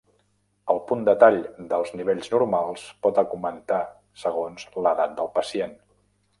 El punt de tall dels nivells normals pot augmentar segons l'edat del pacient.